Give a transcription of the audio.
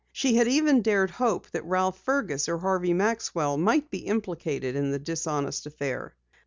She had even dared hope that Ralph Fergus or Harvey Maxwell might be implicated in the dishonest affair.